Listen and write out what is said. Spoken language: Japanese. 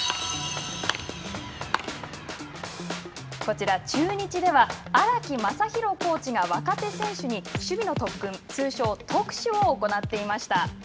こちら、中日では、荒木雅博コーチが若手選手に、守備の特訓通称、特守を行っていました。